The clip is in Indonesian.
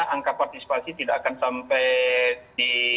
angka partisipasi tidak akan sampai di